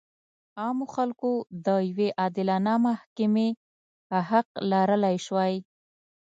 عامو خلکو د یوې عادلانه محکمې حق لرلی شوای.